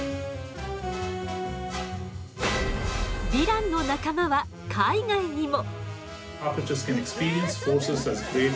ヴィランの仲間は海外にも！